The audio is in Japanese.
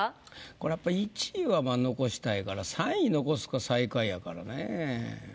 これやっぱ１位はまあ残したいから３位残すか最下位やからねぇ。